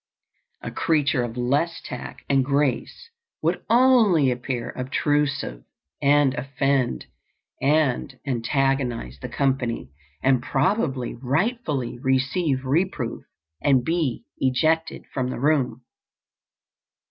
A creature of less tact and grace would only appear obtrusive and offend and antagonize the company, and probably rightfully receive reproof and be ejected from the room.